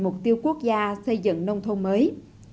mục tiêu quốc gia xây dựng nông thôn mới